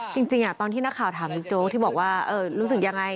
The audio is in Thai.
จริงตอนที่นักข่าวถามบิ๊กโจ๊กที่บอกว่ารู้สึกยังไง